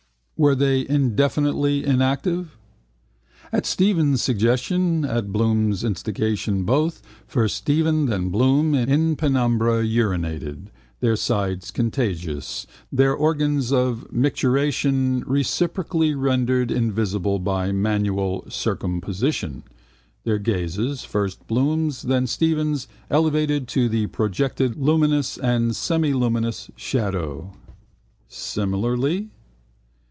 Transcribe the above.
Were they indefinitely inactive? At Stephen's suggestion, at Bloom's instigation both, first Stephen, then Bloom, in penumbra urinated, their sides contiguous, their organs of micturition reciprocally rendered invisible by manual circumposition, their gazes, first Bloom's, then Stephen's, elevated to the projected luminous and semiluminous shadow. Similarly?